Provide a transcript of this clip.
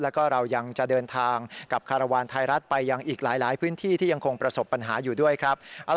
แล้วก็เรายังจะเดินทางกับคารวาลไทยรัฐไปยังอีกหลายพื้นที่ที่ยังคงประสบปัญหาอยู่ด้วยครับ